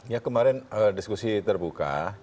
ya kemarin diskusi terbuka